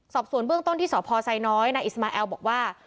สอบส่วนเบื้องต้นที่สพไซน้อยนายอิสมาแอลบอกว่า